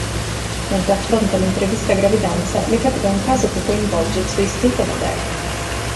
Mentre affronta l'imprevista gravidanza le capita un caso che coinvolge il suo istinto materno.